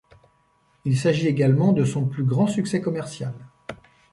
Il s'agit également de son plus grand succès commercial.